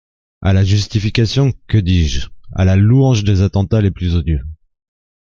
À la justification, que dis-je, à la louange des attentats les plus odieux !